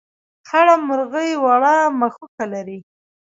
خړه مرغۍ وړه مښوکه لري.